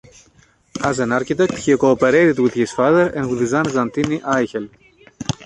As an architect he co-operated with his father and with Jan Santini Aichel.